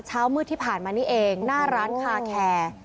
เช้ามืดที่ผ่านมานี่เองหน้าร้านคาแคร์